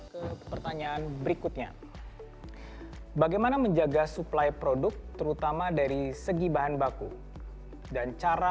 ke pertanyaan berikutnya bagaimana menjaga suplai produk terutama dari segi bahan baku dan cara